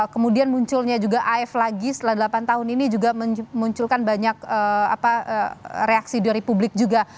kemudian munculnya juga af lagi setelah delapan tahun ini juga memunculkan banyak reaksi dari publik juga